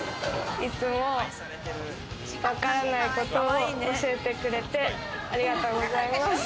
いつもわからないことを教えてくれてありがとうございます。